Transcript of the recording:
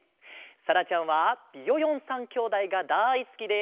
さらちゃんはビヨヨン３きょうだいがだいすきで。